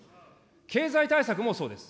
経済対策もそうです。